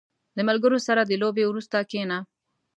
• د ملګرو سره د لوبې وروسته کښېنه.